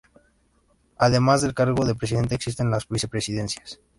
Además del cargo de presidente, existen las vicepresidencias.